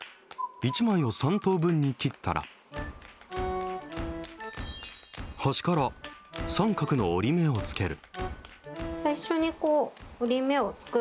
１枚を３等分に切ったら、端から三角の折り目をつける。